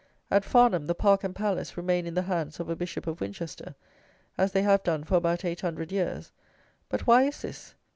At Farnham the park and palace remain in the hands of a Bishop of Winchester, as they have done for about eight hundred years: but why is this?